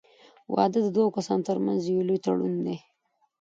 • واده د دوه کسانو تر منځ یو لوی تړون دی.